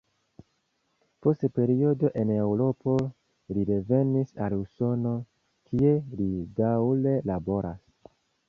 Post periodo en Eŭropo li revenis al Usono, kie li daŭre laboras.